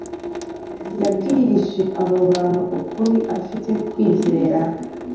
yabwirije abo bantu ukuri afite kwizera